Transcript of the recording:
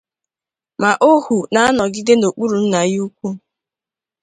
ma ohu na-anọgide n’okpuru nna ya ukwu.